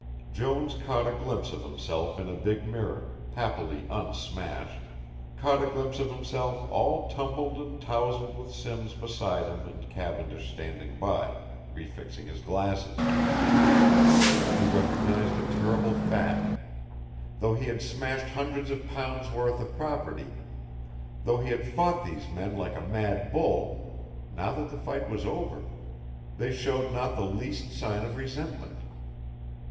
Jones caught a glimpse of himself in a big mirror, happily un smashed, caught a glimpse of himself all tumbled and towsled with Simms beside him and Cavendish standing by, re fixing his glasses. He recognised a terrible fact; though he had smashed hundreds of pounds' worth of property, though he had fought these men like a mad bull, now that the fight was over, they showed not the least sign of resentment.